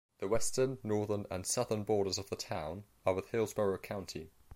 The western, northern, and southern borders of the town are with Hillsborough County.